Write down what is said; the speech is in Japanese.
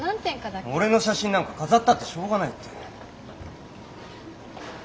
俺の写真なんか飾ったってしょうがないって。